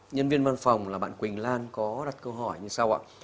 nhân viên văn phòng là bạn quỳnh lan có đặt câu hỏi như sau ạ